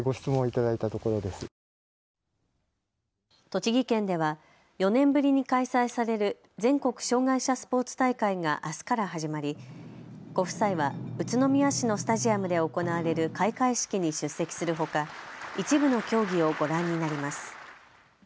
栃木県では４年ぶりに開催される全国障害者スポーツ大会があすから始まりご夫妻は宇都宮市のスタジアムで行われる開会式に出席するほか一部の競技をご覧になります。